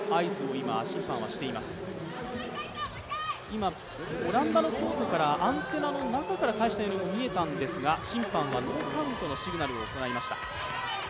今、オランダのコートからアンテナの中から返したようにも見えたんですが審判はノーカウントのシグナルを行いました。